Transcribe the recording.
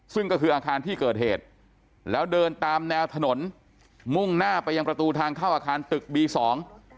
ซึ่งก็คืออาคารที่เกิดเหตุแล้วเดินตามแนวถนนมุ่งหน้าไปยังประตูทางเข้าอาคารตึกบีสอง